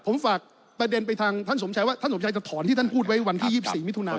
ผมฝากประเด็นไปทางท่านสมชัยว่าท่านสมชัยจะถอนที่ท่านพูดไว้วันที่๒๔มิถุนา